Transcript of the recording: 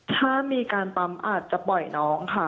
ถ้ามีการปั๊มอาจจะปล่อยน้องค่ะ